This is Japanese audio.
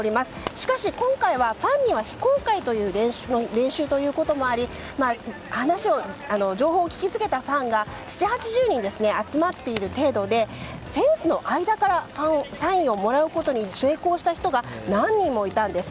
しかし今回はファンには非公開という練習ということもあり情報を聞きつけたファンが７０８０人集まっている程度でフェンスの間からサインをもらうことに成功した人が何人もいたんです。